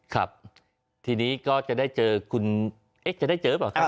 ครับทีนี้ก็จะได้เจอคุณเอ๊ะจะได้เจอบ้าง